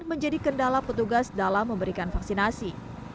menjadi kendala petugas dalam memberikan vaksinasi